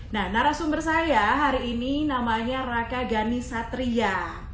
nah narasumber saya hari ini namanya raka ghani satria